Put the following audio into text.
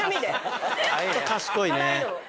賢いね。